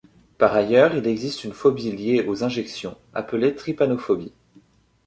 Par ailleurs, il existe une phobie liée aux injections, appelée trypanophobie.